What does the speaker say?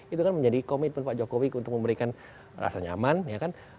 itu kan menjadi komitmen pak jokowi untuk memberikan rasa nyaman ya kan